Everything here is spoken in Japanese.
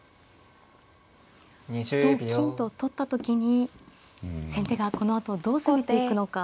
同金と取った時に先手がこのあとどう攻めていくのか。